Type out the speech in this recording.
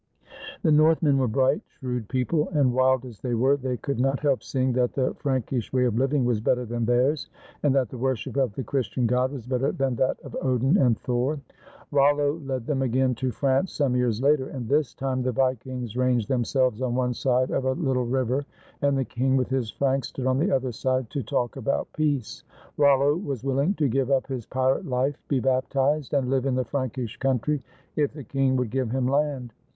The Northmen were bright, shrewd people; and, wild as they were, they could not help seeing that the Frank ish way of living was better than theirs, and that the worship of the Christian God was better than that of Odin and Thor. Rollo led them again to France some years later, and this time the Vikings ranged themselves on one side of a little river, and the king with his Franks stood on the other side, to talk about peace. Rollo was wiUing to give up his pirate life, be baptized, and live in the Frankish country if the king would give him land.